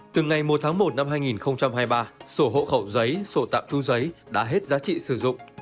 từ ngày một tháng một năm hai nghìn hai mươi ba sổ hộ khẩu giấy sổ tạm tru giấy đã hết giá trị sử dụng